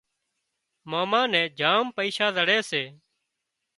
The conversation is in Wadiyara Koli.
ماما نين جام پئيشا زڙي سي